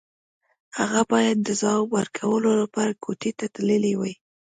هغه بايد د ځواب ورکولو لپاره کوټې ته تللی وای.